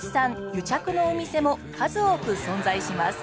癒着のお店も数多く存在します